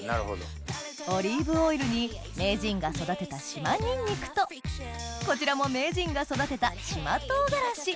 オリーブオイルに名人が育てた島にんにくとこちらも名人が育てた島とうがらし。